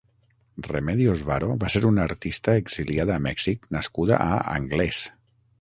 Remedios Varo va ser una artista exiliada a Mèxic nascuda a Anglès.